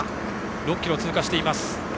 ６ｋｍを通過しています。